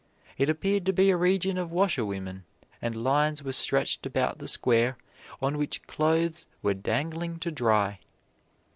It appeared to be a region of washerwomen, and lines were stretched about the square on which clothes were dangling to dry.